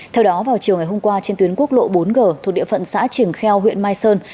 theo đó vào chiều ngày hôm qua trên tuyến quốc lộ bốn g thuộc địa phận xã trường kheo huyện mai sơn